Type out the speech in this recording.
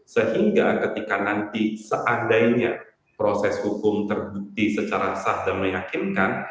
sehingga ketika nanti seandainya proses hukum terbukti secara sah dan meyakinkan